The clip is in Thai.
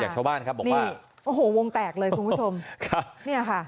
ชาวบ้านครับบอกว่าโอ้โหวงแตกเลยคุณผู้ชมครับเนี่ยค่ะ